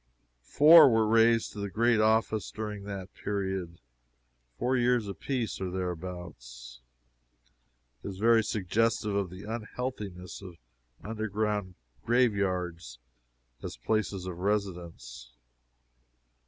Four were raised to the great office during that period. Four years apiece, or thereabouts. It is very suggestive of the unhealthiness of underground graveyards as places of residence.